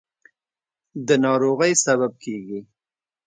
د ناروغۍ سبب کېږي.